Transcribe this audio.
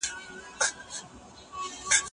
یوه غټه زنګوله یې وه په غاړه